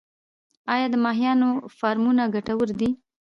آیا د ماهیانو فارمونه ګټور دي؟